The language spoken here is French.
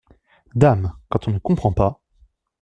Dame !… quand on ne comprend pas !…